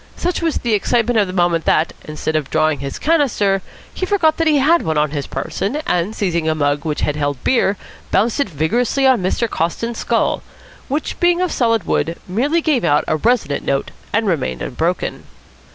Such was the excitement of the moment that, instead of drawing his "canister," he forgot that he had one on his person, and, seizing a mug which had held beer, bounced it vigorously on Mr. Coston's skull, which, being of solid wood, merely gave out a resonant note and remained unbroken.